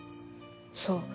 そう。